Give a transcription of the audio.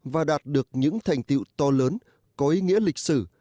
và đạt được những thành tiệu to lớn có ý nghĩa lịch sử